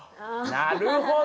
なるほど！